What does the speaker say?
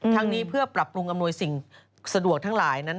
ทั้งนี้เพื่อปรับปรุงอำนวยสิ่งสะดวกทั้งหลายนั้น